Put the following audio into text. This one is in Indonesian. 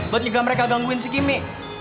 buat liga mereka gangguin si kimi